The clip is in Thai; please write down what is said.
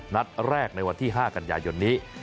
นัดแรกในวันที่๕กันยายนนี้